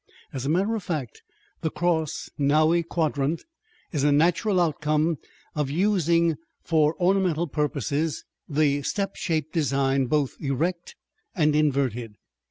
As a matter of fact, the cross nowy quadrant is a natural outcome of using for ornamental purposes the step shaped design, both erect and inverted.